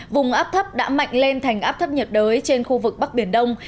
vùng áp thấp đã mạnh lên thành áp thấp nhiệt đới trên khu vực bắc biển đông